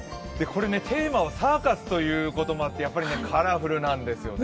テーマはサーカスということもあってカラフルなんですよね。